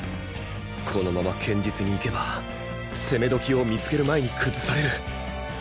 このまま堅実にいけば攻め時を見つける前に崩される